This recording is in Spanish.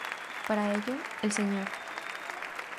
Para ello, el Sr.